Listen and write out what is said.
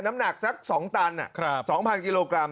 น้ำหนักสักสองตันครับสองพันกิโลกรัม